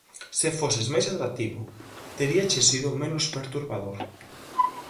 Se foses máis atractivo teríache sido menos perturbador.